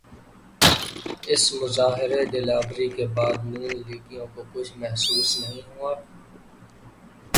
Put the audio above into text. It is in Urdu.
اس مظاہرہ دلاوری کے بعد نون لیگیوں کو کچھ محسوس نہیں ہوا؟